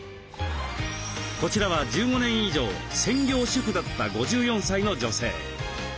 こちらは１５年以上専業主婦だった５４歳の女性。